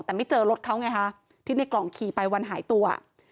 แต่ไม่เจอรถเขาไงฮะที่ในกล่องขี่ไปวันหายตัว